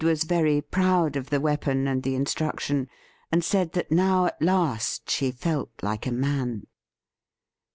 291 was very proud of the weapon and the instruction, and said that now at last she felt like a man.